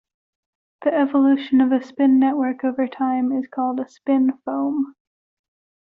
The evolution of a spin network over time is called a spin foam.